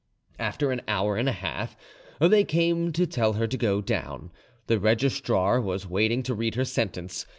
After an hour and a half they came to tell her to go down. The registrar was waiting to read her the sentence.